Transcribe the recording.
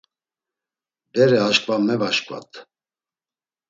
Bere aşǩva mevaşǩvat.